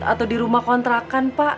atau di rumah kontrakan pak